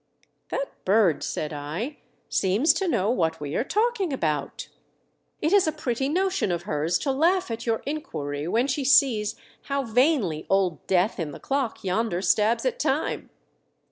"That bird," said I, "seems to know what we are talking about. It is a pretty notion of hers to laugh at your inquiry when she sees how vainly old Death in the clock vonder stabs at time."